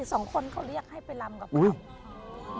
สองคนเขาเรียกให้ไปลำกับเขา